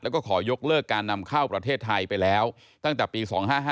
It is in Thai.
แล้วก็ขอยกเลิกการนำเข้าประเทศไทยไปแล้วตั้งแต่ปี๒๕๕